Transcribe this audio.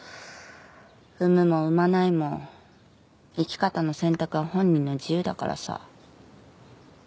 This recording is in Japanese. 産むも産まないも生き方の選択は本人の自由だからさ。